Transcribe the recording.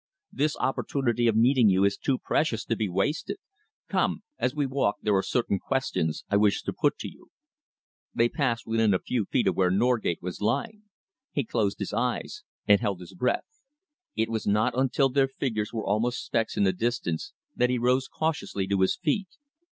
This opportunity of meeting you is too precious to be wasted. Come. As we walk there are certain questions I wish to put to you." They passed within a few feet of where Norgate was lying. He closed his eyes and held his breath. It was not until their figures were almost specks in the distance that he rose cautiously to his feet.